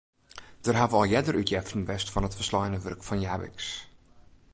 Der hawwe al earder útjeften west fan it folsleine wurk fan Japicx.